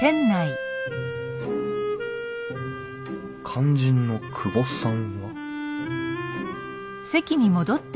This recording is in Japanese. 肝心の久保さんは？